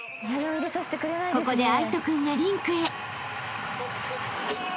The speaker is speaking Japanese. ［ここで藍仁君がリンクへ］